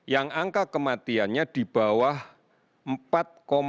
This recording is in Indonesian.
yang angka kematiannya di bawah empat enam puluh sembilan persen di bawah angka global